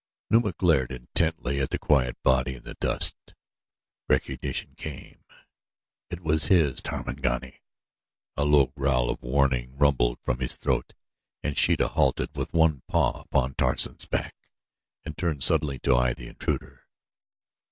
Numa glared intently at the quiet body in the dust. Recognition came. It was his Tarmangani. A low growl of warning rumbled from his throat and Sheeta halted with one paw upon Tarzan's back and turned suddenly to eye the intruder.